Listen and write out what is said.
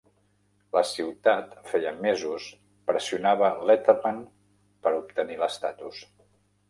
La ciutat feia mesos pressionava Letterman per obtenir l'estatus.